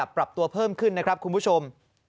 ปรับตัวเพิ่มขึ้นนะครับคุณผู้ชม